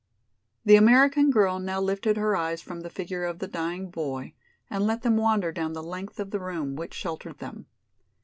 The American girl now lifted her eyes from the figure of the dying boy and let them wander down the length of the room which sheltered them.